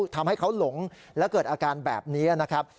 ทำให้เขาหลงและเกิดอาการแบบนี้นะครับ